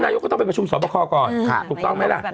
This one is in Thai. ก็ต้องไปประชุมสอบคอก่อนถูกต้องไหมล่ะ